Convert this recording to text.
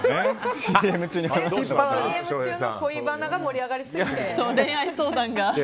ＣＭ中の恋バナが盛り上がりすぎて。